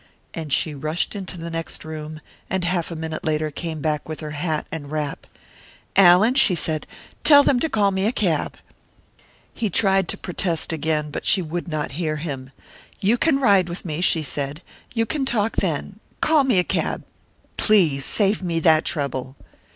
And she rushed into the next room, and half a minute later came back with her hat and wrap. "Allan," she said, "tell them to call me a cab!" He tried to protest again; but she would not hear him. "You can ride with me," she said. "You can talk then. Call me a cab! Please save me that trouble."